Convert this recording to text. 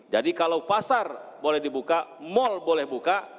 jadi kalau pasar boleh dibuka mal boleh buka